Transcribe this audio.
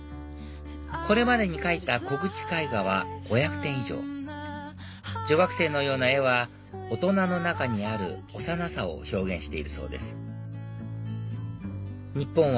これまでに描いた木口絵画は５００点以上女学生のような絵は大人の中にある幼さを表現しているそうです日本は